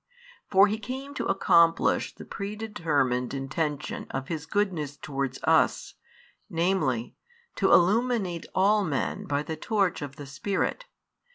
For He came to accomplish the predetermined intention of His goodness towards us, namely, to illuminate all men by the torch of the Spirit.